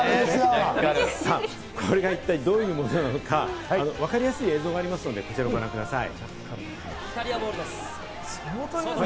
あれが一体どういうものなのか、わかりやすい映像がありますんで、こちらをご覧ください。